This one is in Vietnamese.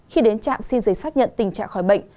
khi đến trạm xin giấy xác nhận tình trạng khỏi bệnh